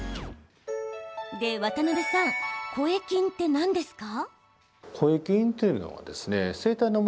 で、渡邊さん声筋って何ですか？